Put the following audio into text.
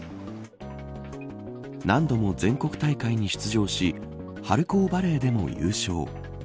何度も全国大会に出場し春高バレーでも優勝。